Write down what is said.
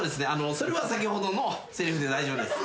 それは先ほどのせりふで大丈夫です。